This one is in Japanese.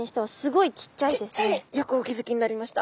よくお気付きになりました。